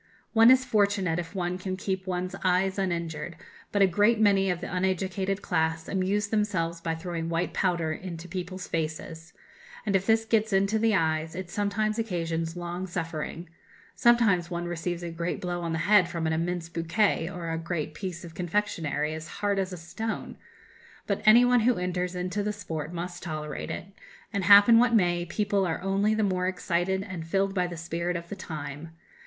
One is fortunate if one can keep one's eyes uninjured; but a great many of the uneducated class amuse themselves by throwing white powder into people's faces, and if this gets into the eyes, it sometimes occasions long suffering; sometimes one receives a great blow on the head from an immense bouquet; or a great piece of confectionery, as hard as a stone; but any one who enters into the sport must tolerate it and, happen what may, people are only the more excited and filled by the spirit of the time....